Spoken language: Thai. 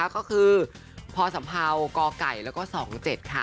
ก็คือพสัมเภากไก่แล้วก็๒๗ค่ะ